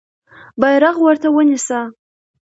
بیرغ ورته ونیسه.